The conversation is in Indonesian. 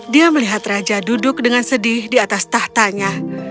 dia melihat raja duduk dengan sedih di atas tahtanya